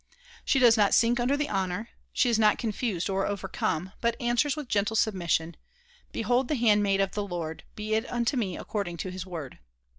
She does not sink under the honor, she is not confused or overcome, but answers with gentle submission, "Behold the handmaid of the Lord, be it unto me according to his word."